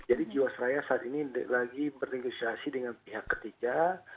jadi jiwasraya saat ini lagi berintegrisasi dengan pihak ketiga